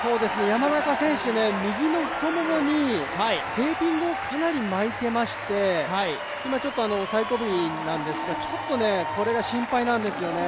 山中選手、右の太ももにテーピングをかなり巻いてまして今、最後尾なんですが、これが心配なんですよね。